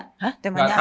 hah tidak tahu